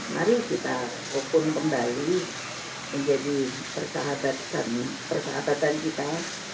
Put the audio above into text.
mari kita rupun kembali menjadi persahabatan kita